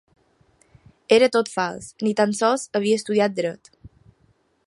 Era tot fals, ni tan sols havia estudiat dret.